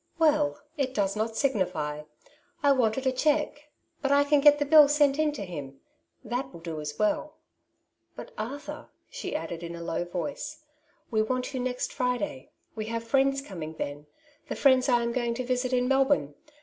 Well, it does not signify. I wanted a cheque, but I can get the bill sent in to him \ that will do as well. But Arthur !^' she added in a low voice, *' we want you next Friday ; we have friends coming then : the friends I am going to visit in Melbourne.